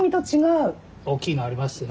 大きいのありますよ。